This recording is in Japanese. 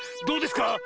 どうですか？